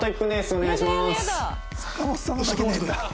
お願いします。